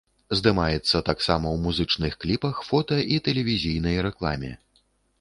Здымаецца таксама ў музычных кліпах, фота- і тэлевізійнай рэкламе.